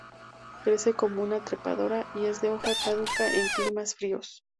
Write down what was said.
Crece como una trepadora y es de hoja caduca en climas fríos.